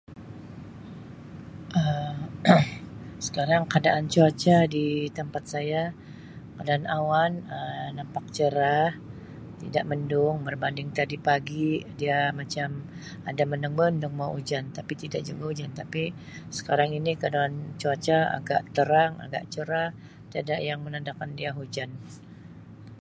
Um Sekarang keadaan cuaca di tempat saya keadaan awan Um nampak cerah, tidak mendung berbanding tadi pagi dia macam ada mendung-mendung mau ujan tapi tida juga ujan tapi sekarang ini keadaan cuaca agak terang, agak cerah, tiada yang menandakan dia hujan.